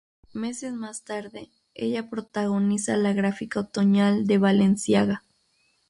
Meses más tarde, ella protagoniza la gráfica otoñal de Balenciaga.